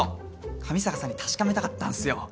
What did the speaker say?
上坂さんに確かめたかったんすよ。